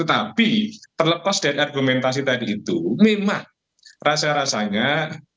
tapi terlepas dari argumentasi tadi itu memang rasa rasanya